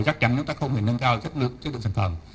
chắc chắn chúng ta không thể nâng cao chất lượng sản phẩm